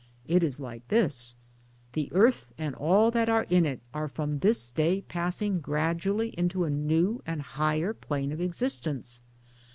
It is like this : The earth and all that are in it, are from this day passing gradually into a new and higher plane of existence.